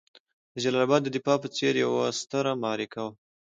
د جلال اباد د دفاع په څېر یوه ستره معرکه وه.